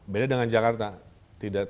beda dengan jakarta tidak